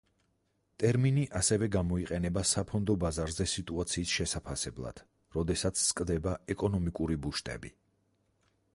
ტერმინი, ასევე, გამოიყენება საფონდო ბაზარზე სიტუაციის შესაფასებლად, როდესაც „სკდება“ „ეკონომიკური ბუშტები“.